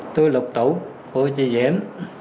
tôi lục tủ của chị diễm